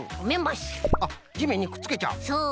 あっじめんにくっつけちゃう？